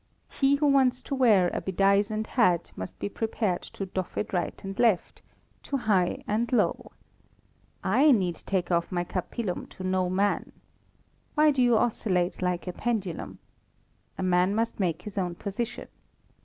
He who wants to wear a bedizened hat must be prepared to doff it right and left to high and low. I need take off my capillum to no man. Why do you oscillate like a pendulum? A man must make his own position.